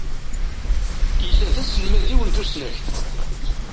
Illa d aselmad-iw n tusnakt.